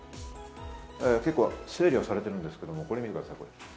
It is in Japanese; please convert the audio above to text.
結構、整理はされてるんですけども、これを見てください。